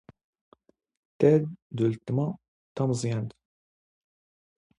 ⵜⴰⴷ ⴷ ⵓⵍⵜⵎⴰ ⵜⴰⵎⵥⵥⵢⴰⵏⵜ.